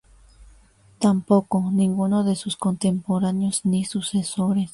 Tampoco ninguno de sus contemporáneos ni sucesores.